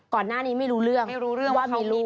ก่อนหน้านี้ไม่รู้เรื่องว่ามีรูป